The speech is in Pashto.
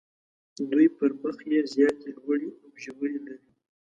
دوی پر مخ یې زیاتې لوړې او ژورې لري.